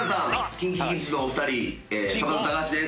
ＫｉｎＫｉＫｉｄｓのお二人サバンナ高橋です。